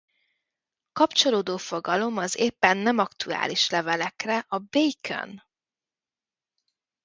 Kapcsolódó fogalom az éppen nem aktuális levelekre a bacn.